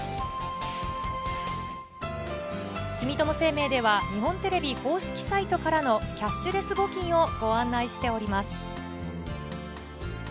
住友生命では、日本テレビ公式サイトからのキャッシュレス募金をご案内しております。